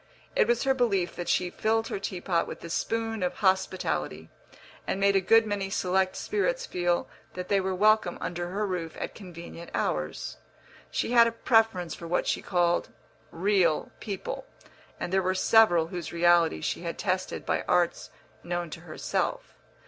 It was her belief that she filled her tea pot with the spoon of hospitality, and made a good many select spirits feel that they were welcome under her roof at convenient hours. She had a preference for what she called real people, and there were several whose reality she had tested by arts known to herself.